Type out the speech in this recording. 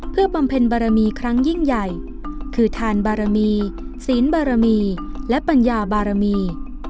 เพื่อบำเพ็ญบารมีครั้งยิ่งใหญ่คือทานบารมีศีลบารมีและปัญญาบารมี